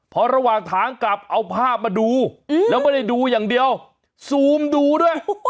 พอระหว่างทางกลับเอาภาพมาดูแล้วไม่ได้ดูอย่างเดียวซูมดูด้วย